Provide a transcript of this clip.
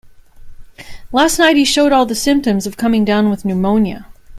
Last night he showed all the symptoms of coming down with pneumonia.